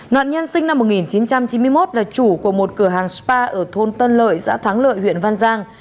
nạn nhân sinh năm một nghìn chín trăm chín mươi một là chủ của một cửa hàng spa ở thôn tân lợi xã thắng lợi huyện văn giang